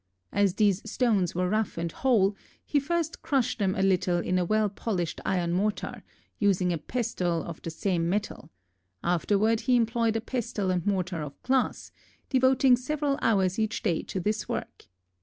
As these stones were rough and whole, he first crushed them a little in a well polished iron mortar, using a pestle of the same metal; afterward he employed a pestle and mortar of glass, devoting several hours each day to this work.